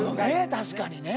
確かにね。